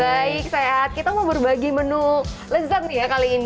baik sehat kita mau berbagi menu lezat ya kali ini